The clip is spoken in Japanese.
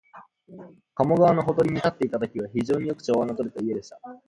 加茂川のほとりに建っていたときは、非常によく調和のとれた家でした